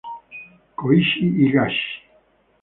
Koichi Higashi